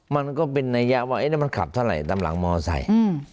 มันก็เป็นนัยว่ามันขับเท่าไหร่ตามหลังมอเตอร์ไซค์